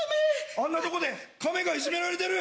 あんなとこでカメがいじめられてる！